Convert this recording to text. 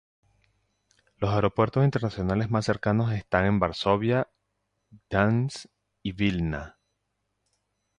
Los aeropuertos internacionales más cercanos están en Varsovia, Gdańsk y Vilna.